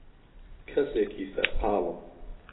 کەسێکی سەرقاڵم.